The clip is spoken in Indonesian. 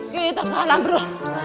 kita kalah bro